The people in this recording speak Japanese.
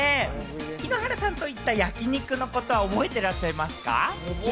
井ノ原さんと行った焼き肉のことは覚えてらっしゃいますか？